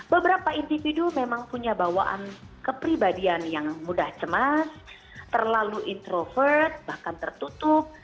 beberapa individu memang punya bawaan kepribadian yang mudah cemas terlalu introvert bahkan tertutup